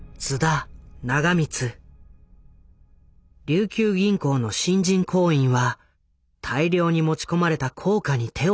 琉球銀行の新人行員は大量に持ち込まれた硬貨に手を焼いた。